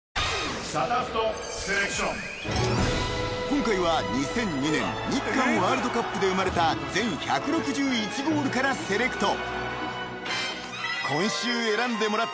［今回は２００２年日韓ワールドカップで生まれた全１６１ゴールからセレクト］